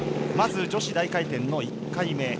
まず、女子大回転の１回目。